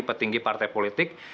petinggi partai politik